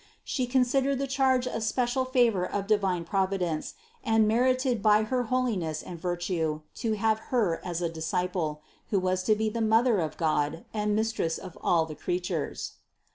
She considered the charge a special favor of di vine Providence and merited by her holiness and virtue to have Her as a disciple, who was to be the Mother of God and Mistress of all the creatures.